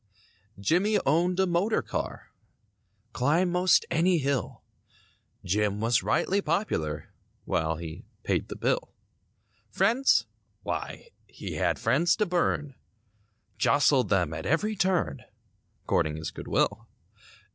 Jimmie owned a motor car; Climb most any hill. Jim was rightly popular While he paid the bill. Friends? Why, he had friends to burn; Jostled them at every turn. Courting his good will.